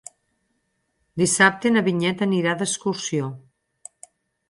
Dissabte na Vinyet anirà d'excursió.